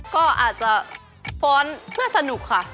ก็อาจจะฟ้อนไม่สนุกค่ะ